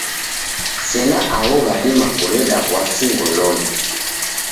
Sena agho ghadima kureda w'asi ngolonyi.